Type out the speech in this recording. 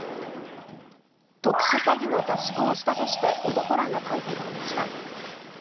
特殊詐欺の出し子をしたとして、男らが逮捕されました。